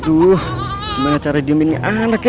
aduh gimana cara diemin anak ya